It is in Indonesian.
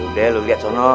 yaudah lu lihat sana